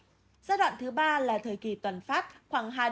giai đoạn thứ ba là thời kỳ toàn phát khoảng hai ba tuần